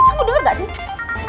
kamu denger gak sih